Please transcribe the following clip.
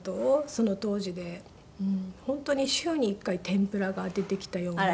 その当時で本当に週に１回天ぷらが出てきたような。